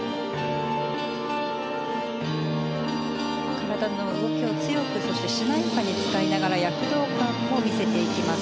体の動きを強くそしてしなやかに使いながら躍動感も見せていきます